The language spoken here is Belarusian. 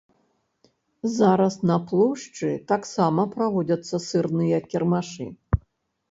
Зараз на плошчы таксама праводзяцца сырныя кірмашы.